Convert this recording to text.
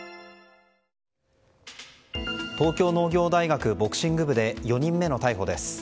東京農業大学ボクシング部で４人目の逮捕です。